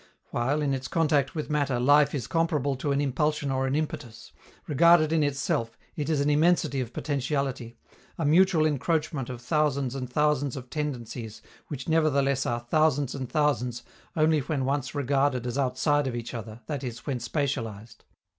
While, in its contact with matter, life is comparable to an impulsion or an impetus, regarded in itself it is an immensity of potentiality, a mutual encroachment of thousands and thousands of tendencies which nevertheless are "thousands and thousands" only when once regarded as outside of each other, that is, when spatialized.